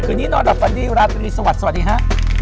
คืนนี้นอนดับวันนี้วันนี้สวัสดีสวัสดีฮะ